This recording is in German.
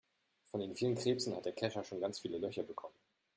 Von den vielen Krebsen hat der Kescher schon ganz viele Löcher bekommen.